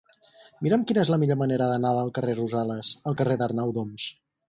Mira'm quina és la millor manera d'anar del carrer de Rosales al carrer d'Arnau d'Oms.